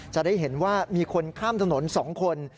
จะได้เห็นว่ามีคนข้ามถนน๒คน